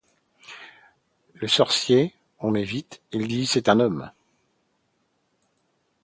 Le sorcier ; on m'évite ; ils disent : C'est un homme